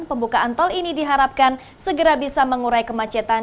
pembukaan tol ini diharapkan segera bisa mengurai kemacetan